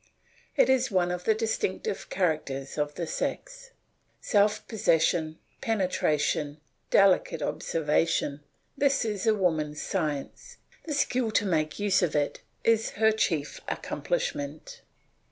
It is one of the distinctive characters of the sex. Self possession, penetration, delicate observation, this is a woman's science; the skill to make use of it is her chief accomplishment.